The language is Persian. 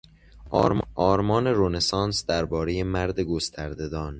آرمان رنسانس دربارهی مرد گسترده دان